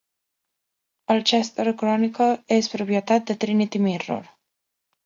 El "Chester Chronicle" és propietat de Trinity Mirror.